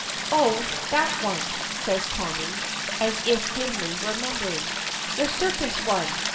"Oh, that one!" says Tommy, as if dimly remembering, "the circus one!